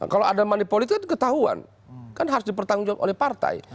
kalau ada money politik ketahuan kan harus dipertanggungjawab oleh partai